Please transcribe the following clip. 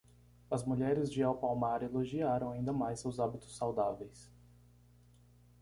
As mulheres de El Palmar elogiaram ainda mais seus hábitos saudáveis.